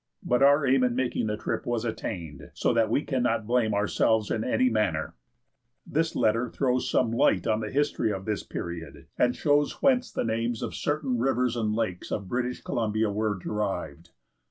But our aim in making the trip was attained, so that we cannot blame ourselves in any manner." This letter throws some light on the history of this period, and shows whence the names of certain rivers and lakes of British Columbia were derived.